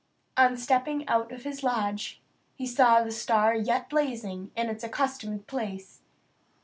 On stepping out of his lodge he saw the star yet blazing in its accustomed place.